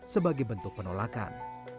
sebagai bentuk penolakan